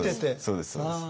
そうですそうです。